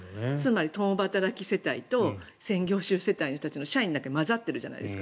共働き世帯と専業主婦世帯の人たちが社員の中に混ざってるじゃないですか。